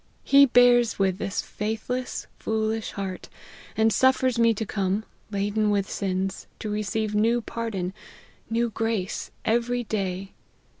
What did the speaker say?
He bears with this faithless, foolish heart, and suffers me to come, laden with sins, to receive new pardon, new grace, every day.